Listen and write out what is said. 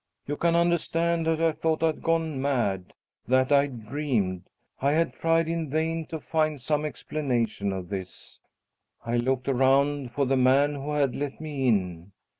"You can understand that I thought I'd gone mad; that I dreamed I had tried in vain to find some explanation of this. I looked around for the man who had let me in.